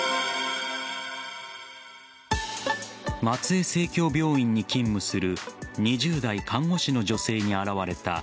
松江生協病院に勤務する２０代看護師の女性に現れた